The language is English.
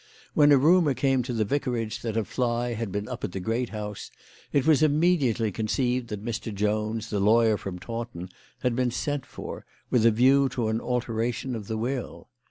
When a rumour came to the vicarage that a fly had been up at the great house, it was immediately conceived that Mr. Jones, the lawyer from Taunton, had been sent for, with a view to an alteration of the will.